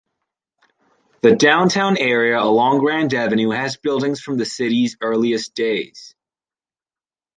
The downtown area along Grand Avenue has buildings from the city's earliest days.